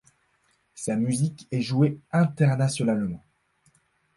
Sa musique est jouée internationalement.